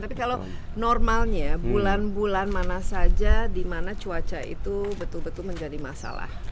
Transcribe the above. tapi kalau normalnya bulan bulan mana saja di mana cuaca itu betul betul menjadi masalah